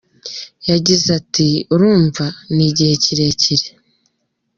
Yagize ati "Urumva ni igihe kirekire.